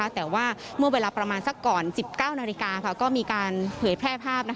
แต่ว่าเมื่อเวลาประมาณสักก่อน๑๙นาฬิกาก็มีการเผยแพร่ภาพ